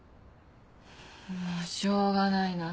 もうしょうがないな。